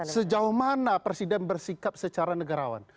sejauh mana presiden bersikap secara negarawan